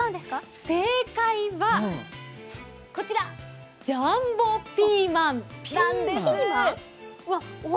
正解はこちら、ジャンボピーマンなんです。